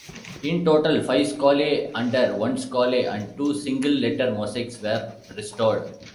In total, five 'Scollay Under', one 'Scollay', and two single-letter mosaics were restored.